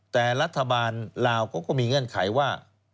แต่รัฐบาลลาวเขาก็มีเงื่อนไขว่า